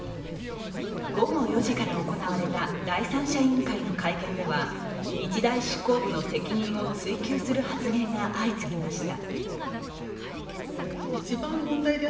午後４時から行われた第三者委員会の会見では日大執行部の責任を追及する発言が相次ぎました。